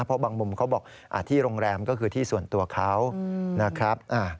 เพราะบางมุมเขาบอกที่โรงแรมก็คือที่ส่วนตัวเขานะครับ